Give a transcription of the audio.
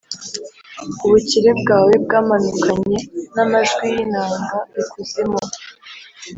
Ubukire bwawe bwamanukanye n’amajwi y’inanga ikuzimu,